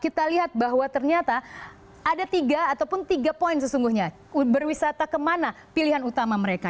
kita lihat bahwa ternyata ada tiga ataupun tiga poin sesungguhnya berwisata kemana pilihan utama mereka